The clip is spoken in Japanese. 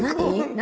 何？